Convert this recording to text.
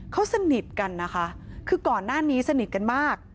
เขาสนิทกันนะคะคือก่อนหน้านี้สนิทกันมาก